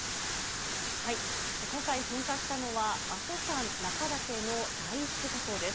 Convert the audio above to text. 今回噴火したのは、阿蘇山中岳の第１火口です。